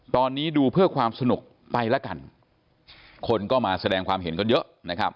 ตอนนี้ดูเพื่อความสนุกไปแล้วกันคนก็มาแสดงความเห็นกันเยอะนะครับ